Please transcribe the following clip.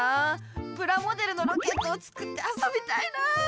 プラモデルのロケットを作ってあそびたいな。